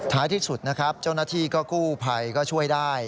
ที่สุดนะครับเจ้าหน้าที่ก็กู้ภัยก็ช่วยได้